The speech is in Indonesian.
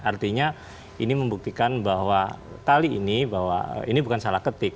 artinya ini membuktikan bahwa kali ini bahwa ini bukan salah ketik